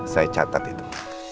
saya catat itu